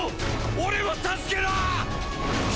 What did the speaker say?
俺も助けろ！